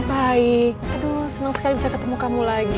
baik aduh senang sekali bisa ketemu kamu lagi